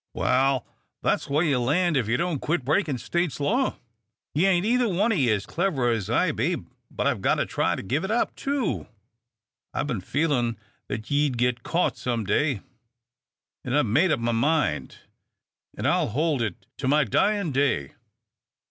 "Wal, that's where you'll land if ye don't quit breakin' State's law. Ye ain't either o' ye as clever as I be, but I've got to try to give it up, too. I've bin feelin' that ye'd git caught some day, and I've made up my mind, an' I'll hold it to my dyin' day.